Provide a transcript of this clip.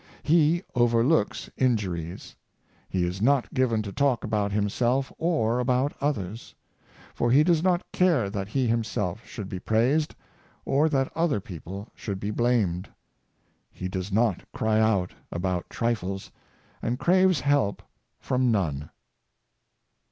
He overlooks injuries. He is not given to talk about himself or about others; for he does not care that he himself should be praised, or that other people should be blamed. He does not cry out about trifles, and craves help from none."